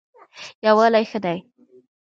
یووالی ښه دی.